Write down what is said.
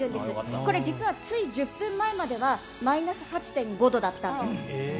これ、実はつい１０分前まではマイナス８．５度だったんです。